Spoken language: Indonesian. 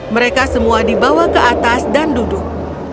mereka semua dibawa ke atas dan duduk